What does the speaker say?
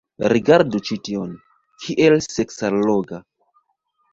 Rigardu ĉi tion. Kiel seksalloga.